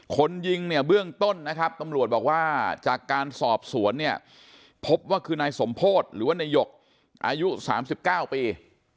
คนยิงเนี่ยเบื้องต้นนะครับตำรวจบอกว่าจากการสอบสวนเนี่ยพบว่าคือนายสมโพธิหรือว่านายหยกอายุ๓๙ปี